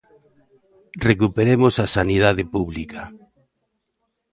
Recuperemos a sanidade pública.